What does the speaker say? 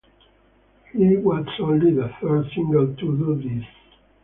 It was only the third single to do this.